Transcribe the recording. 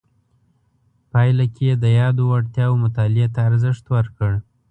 پایله کې یې د یادو وړتیاو مطالعې ته ارزښت ورکړ.